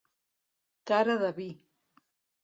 Cara de vi.